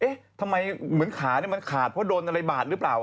ทำไมเหมือนขามันขาดเพราะโดนอะไรบาดหรือเปล่า